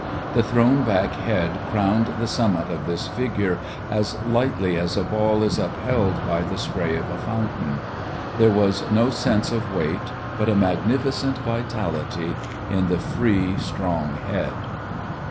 The thrown back head crowned the summit of this figure as lightly as a ball is upheld by the spray of a fountain. There was no sense of weight, but a magnificent vitality in the free, strong head.